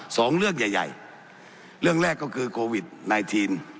สองเรื่องใหญ่ใหญ่เรื่องแรกก็คือโควิดไนทีน